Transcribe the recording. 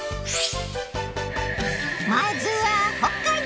まずは北海道よ！